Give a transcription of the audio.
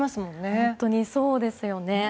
本当にそうですよね。